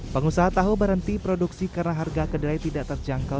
pengusaha tahu berhenti produksi karena harga kedelai tidak terjangkau